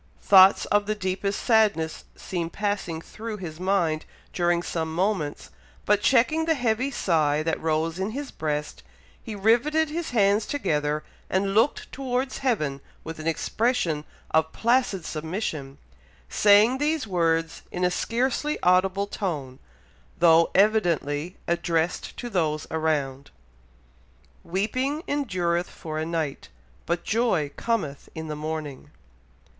Thoughts of the deepest sadness seemed passing through his mind during some moments, but checking the heavy sigh that rose in his breast, he riveted his hands together, and looked towards heaven with an expression of placid submission, saying these words in a scarcely audible tone, though evidently addressed to those around, "Weeping endureth for a night, but joy cometh in the morning."